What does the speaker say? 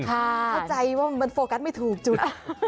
เข้าใจว่ามันโฟกัสไม่ถูกจุด